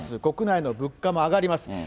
国内の物価も上がります。